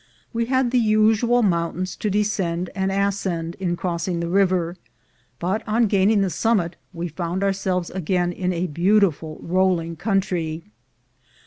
We had the usual mountains to descend and ascend in crossing the river, but on gaining the summit we found ourselves again in a beautiful rolling country.